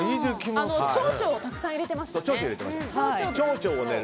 チョウチョをたくさん入れてましたね。